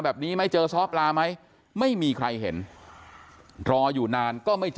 แบบนี้ไหมเจอซ้อปลาไหมไม่มีใครเห็นรออยู่นานก็ไม่เจอ